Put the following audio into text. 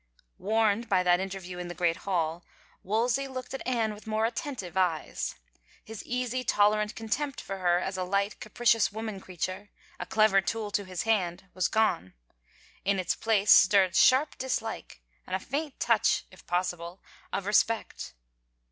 Warned by that interview in the great hall, Wolsey looked at Anne with more attentive eyes. His easy, tolerant contempt for her as a light, capricious woman creature, a clever tool to his hand, was gone ; in its place stirred sharp dislike and a faint touch, if possible, of respect.